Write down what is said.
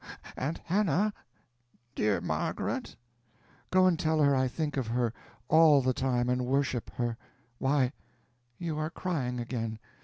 Aunt Hannah?" "Dear Margaret?" "Go and tell her I think of her all the time, and worship her. Why you are crying again.